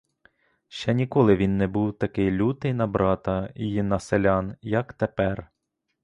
Ще ніколи він не був такий лютий на брата й на селян, як тепер.